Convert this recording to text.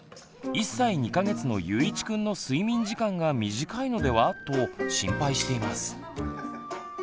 １歳２か月のゆういちくんの睡眠時間が短いのではと心配しています。